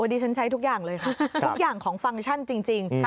วันนี้ฉันใช้ทุกอย่างเลยครับทุกอย่างของฟังชั่นจริง